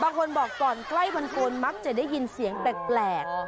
บางคนบอกก่อนใกล้วันโกนมักจะได้ยินเสียงแปลก